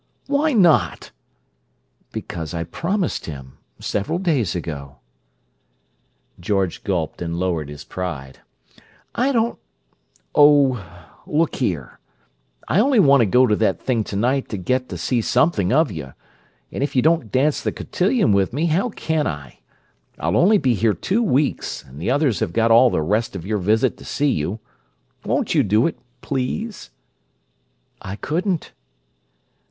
"Why not?" "Because I promised him. Several days ago." George gulped, and lowered his pride, "I don't—oh, look here! I only want to go to that thing tonight to get to see something of you; and if you don't dance the cotillion with me, how can I? I'll only be here two weeks, and the others have got all the rest of your visit to see you. Won't you do it, please?" "I couldn't."